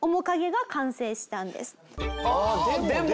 ああでも。